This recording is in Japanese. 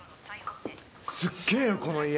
すっげえよこの家。